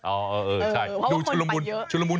เออเออชุรมุนเปล่าเยอะ